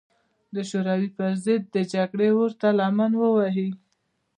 د شوروي پر ضد د جګړې اور ته لمن ووهي.